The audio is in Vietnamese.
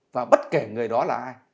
và bất kể người đó là ai